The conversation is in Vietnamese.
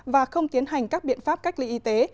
và không tiến hành các biện pháp cách ly y tế